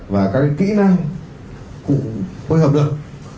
và cái kỹ năng cũng hơi hợp lượng